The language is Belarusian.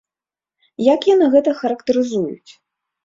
Як яны гэта характарызуюць?